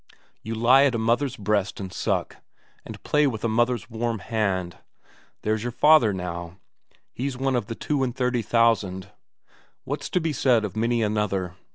You lie at a mother's breast and suck, and play with a mother's warm hand. There's your father now, he's one of the two and thirty thousand. What's to be said of many another?